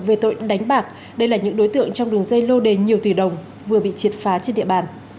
về tội đánh bạc đây là những đối tượng trong đường dây lô đề nhiều tỷ đồng vừa bị triệt phá trên địa bàn